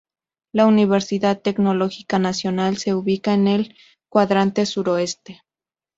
La Universidad Tecnológica Nacional se ubica en el cuadrante suroeste.